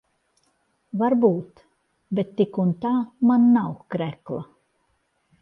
Varbūt. Bet tik un tā man nav krekla.